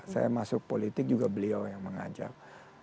saya masuk politik juga beliau yang mengajak